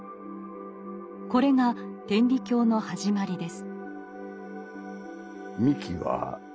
これが天理教の始まりです。